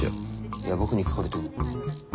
いや僕に聞かれても。